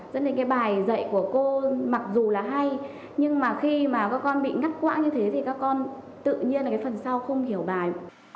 dẫn đến cái bài dạy của cô mặc dù là hay nhưng mà khi mà các con bị ngắt quãng như thế thì các con tự nhiên là cái phần sau không hiểu bài